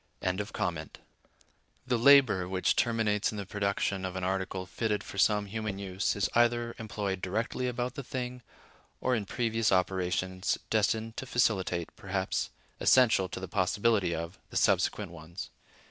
(101) The labor(102) which terminates in the production of an article fitted for some human use is either employed directly about the thing, or in previous operations destined to facilitate, perhaps essential to the possibility of, the subsequent ones.